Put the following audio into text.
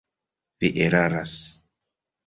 Vi eraras!